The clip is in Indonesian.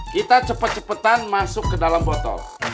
kita cepet cepetan masuk ke dalam botol